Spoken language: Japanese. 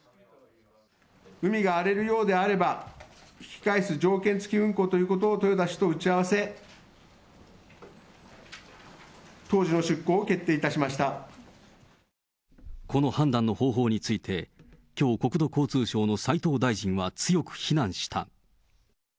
海が荒れるようであれば、引き返す条件付き運航ということを豊田社長と打ち合わせ、当時のこの判断の方法について、きょう国土交通省の斉藤大臣は強く非難した。